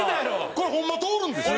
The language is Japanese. これホンマ通るんですよ！